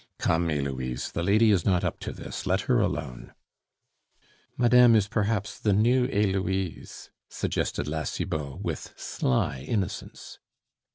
'" "Come, Heloise, the lady is not up to this; let her alone." "Madame is perhaps the New Heloise," suggested La Cibot, with sly innocence.